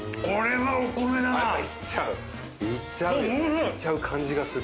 いっちゃう感じがする。